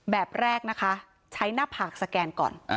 แบบแรกนะคะใช้หน้าผากสแกนก่อน